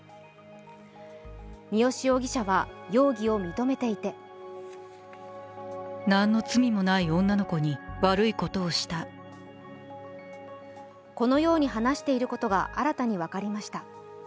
三好容疑者は容疑を認めていてこのように話していることが新たに分かりました。